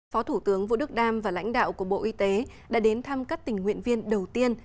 phó thủ tướng vũ đức đam và lãnh đạo của bộ y tế đã đến thăm các tình nguyện viên đầu tiên